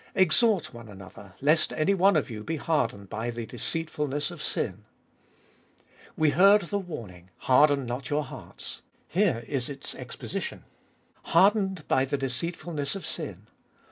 " Exhort one another, lest any one of you be hardened by the deceitfulness of sin." We heard the warning, Harden not your hearts. Here is its exposition, Hardened by the deceit fulness of sin.